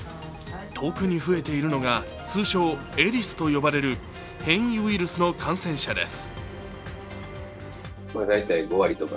特に増えているのが通称エリスと呼ばれる変異ウイルスの感染者です。